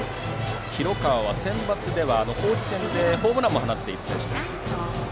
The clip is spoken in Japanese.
広川はセンバツでは高知戦でホームランを放っていました。